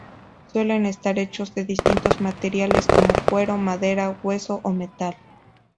Suelen estar hechos de distintos materiales como cuero, madera, hueso o metal.